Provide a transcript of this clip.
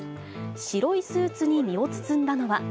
白いスーツに身を包んだのは。